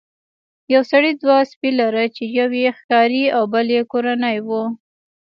یو سړي دوه سپي لرل چې یو یې ښکاري او بل یې کورنی و.